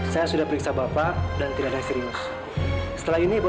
saya sudah periksa bapak dan tidak ada yang serius